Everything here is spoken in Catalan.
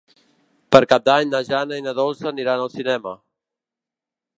Per Cap d'Any na Jana i na Dolça aniran al cinema.